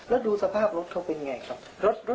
รถดูสภาพรถเข้าเป็นอย่างไรครับ